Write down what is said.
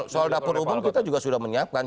soal dapur umum kita juga sudah menyiapkan